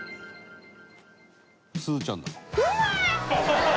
「すずちゃんだ」